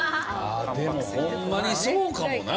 でもホンマにそうかもな。